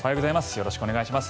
よろしくお願いします。